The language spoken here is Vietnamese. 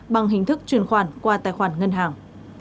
bằng hình thức chuyển khoản qua tài khoản ngân hàng